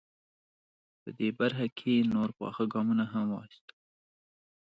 په دې برخه کې نور پاخه ګامونه هم واخیستل.